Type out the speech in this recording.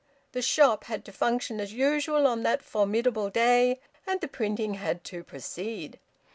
The shop had to function as usual on that formidable day, and the printing had to proceed.